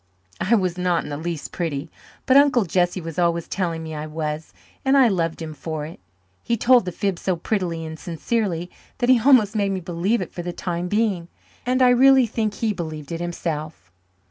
I was not in the least pretty but Uncle Jesse was always telling me I was and I loved him for it. He told the fib so prettily and sincerely that he almost made me believe it for the time being, and I really think he believed it himself.